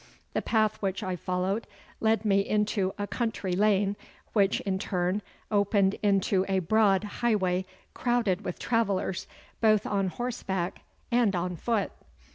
The path which I followed led me into a country lane, which in turn opened into a broad highway crowded with travellers, both on horseback and on foot.